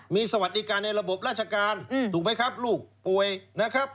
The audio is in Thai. มีสวัสดิการในระบบราชการถูกไหมครับลูกป่วยนะครับ